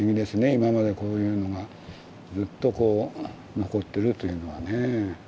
今までこういうのがずっとこう残ってるというのはねぇ。